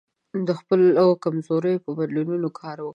د خپلو کمزوریو په بدلون کار وکړئ.